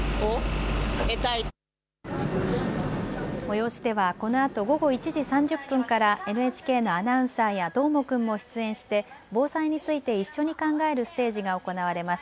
催しではこのあと午後１時３０分からＮＨＫのアナウンサーやどーもくんも出演して防災について一緒に考えるステージが行われます。